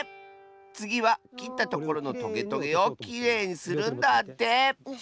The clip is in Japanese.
つぎはきったところのトゲトゲをきれいにするんだって！